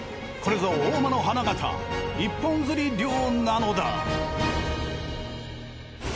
これぞ大間の花形一本釣り漁なのだ。